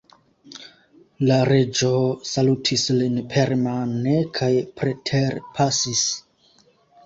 La Reĝo salutis lin permane kaj preterpasis.